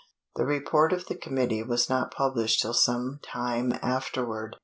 The report of the committee was not published till some time afterward.